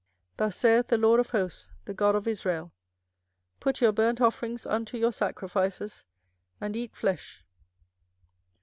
24:007:021 Thus saith the LORD of hosts, the God of Israel; Put your burnt offerings unto your sacrifices, and eat flesh.